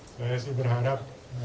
saya sih berharap